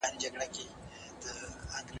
زه تمرين نه کوم